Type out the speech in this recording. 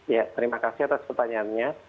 ya terima kasih atas pertanyaannya